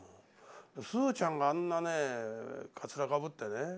スーちゃんがあんなねカツラかぶってね